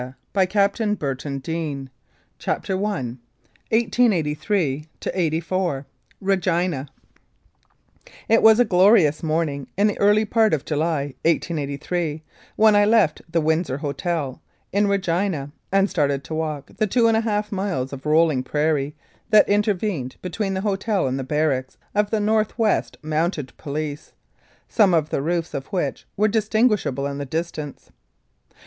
. 308 MOUNTED POLICE LIFE IN CANADA CHAPTER I 188384. REGINA IT was a glorious morning, in the early part of July, 1883, when I left the Windsor Hotel in Regina, and started to walk the two and a half miles of roll ing prairie that intervened between the hotel and the barracks of the North West Mounted Police, some of the roofs of which were distinguishable in the distance.